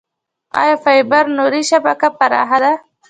آیا فایبر نوري شبکه پراخه ده؟